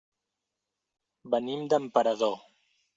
Venim d'Emperador.